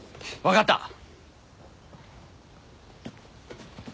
分かった。